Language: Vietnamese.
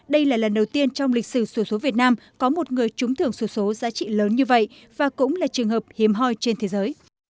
đây là lần đầu tiên trong lịch sử sổ số việt nam có một người trúng thưởng số số giá trị lớn như vậy và cũng là trường hợp hiếm hoi trên thế giới